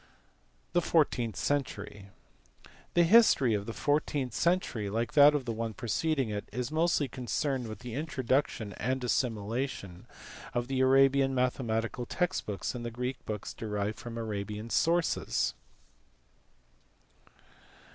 The fourteenth century. The history of the fourteenth century, like that of the one preceding it, is mostly concerned with the introduction and assimilation of the Arabian mathe matical text books and the Greek books derived from Arabian sources.